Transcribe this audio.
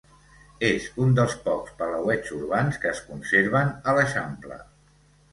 És un dels pocs palauets urbans que es conserven a l'Eixample.